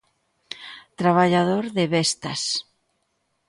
Traballador de Vestas.